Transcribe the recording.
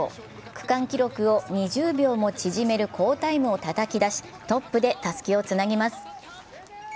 区間記録を２０秒も縮める好タイムをたたき出し、トップでたすきをつなぎます。